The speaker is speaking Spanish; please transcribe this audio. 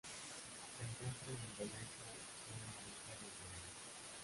Se encuentra en Indonesia en la isla de Timor.